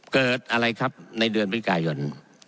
เกิดอะไรครับในเดือนวิกายน